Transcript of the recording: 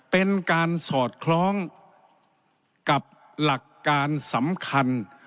เป็นการสอดคล้องกับหลักการสำคัญ